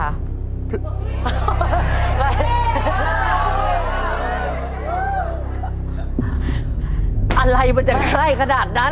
พึ่งอะไรมันจะห้ายขนาดนั้น